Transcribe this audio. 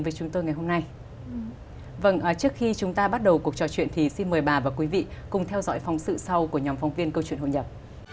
vâng trước khi chúng ta bắt đầu cuộc trò chuyện thì xin mời bà và quý vị cùng theo dõi phóng sự sau của nhóm phóng viên câu chuyện hội nhập